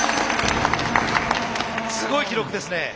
すごい記録ですね。